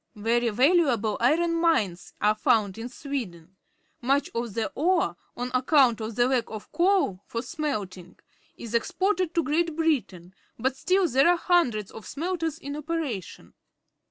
Very valuable iron_mines. are found in Sweden. Much of the ore, on account of the lack of coal for smelting, is exported to Great Biikiin, but still there are hundreds of smelters in operation.